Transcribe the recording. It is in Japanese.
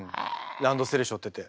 ランドセルしょってて。